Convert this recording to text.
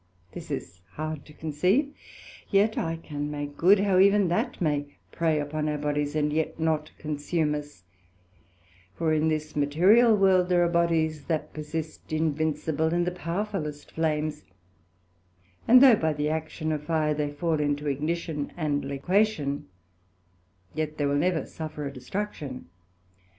This is hard to conceive, yet can I make good how even that may prey upon our bodies, and yet not consume us: for in this material World there are bodies that persist invincible in the powerfullest flames; and though by the action of fire they fall into ignition and liquation, yet will they never suffer a destruction.